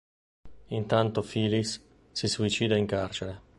Intanto, Phyllis si suicida in carcere.